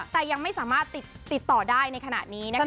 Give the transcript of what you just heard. แต่ยังไม่สามารถติดต่อได้ในขณะนี้นะคะ